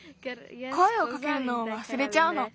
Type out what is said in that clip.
こえをかけるのをわすれちゃうの。